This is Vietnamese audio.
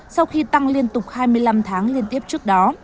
sau khi tăng liên tục hai mươi năm tháng liên tiếp trước đó